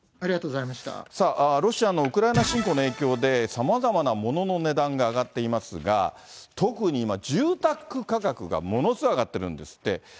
さあ、ロシアのウクライナ侵攻の影響で、さまざまなものの値段が上がっていますが、特に今、住宅価格がものすごい上がってるんですって。